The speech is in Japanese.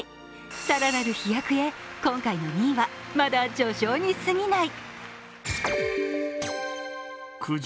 更なる飛躍へ、今回の２位は、まだ序章にすぎない。